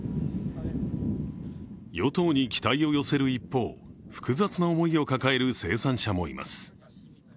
与党に期待を寄せる一方複雑な思いを抱える生産者もいます。